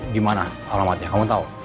dimana alamatnya kamu tahu